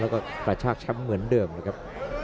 แล้วก็กระชากแชมป์เหมือนเดิมนะครับ